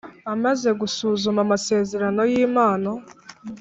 Imaze gusuzuma Amasezerano y Impano